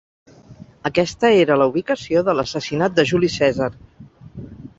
Aquesta era la ubicació de l'assassinat de Juli Cèsar.